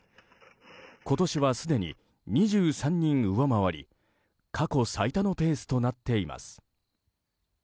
今年は、すでに２３人上回り過去最多のペースとなっています。